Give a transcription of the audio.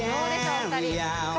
お二人顔